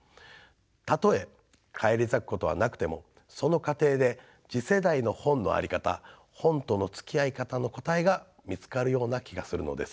たとえ返り咲くことはなくてもその過程で次世代の本の在り方本とのつきあい方の答えが見つかるような気がするのです。